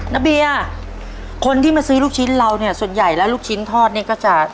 เบียร์คนที่มาซื้อลูกชิ้นเราเนี่ยส่วนใหญ่แล้วลูกชิ้นทอดเนี่ยก็จะ